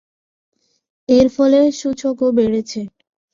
এর ফলে সূচকও বেড়েছে।